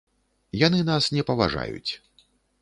Яны нас не паважаюць.